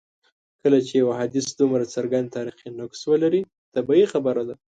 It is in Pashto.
کله چي یو حدیث دومره څرګند تاریخي نقص ولري طبیعي خبره ده.